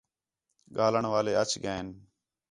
گھلݨ والے اَچ ڳئین